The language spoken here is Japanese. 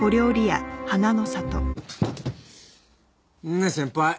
ねえ先輩。